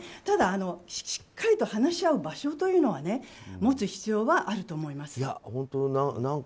ただ、しっかりと話し合う場所というのは持つ必要はあると思います。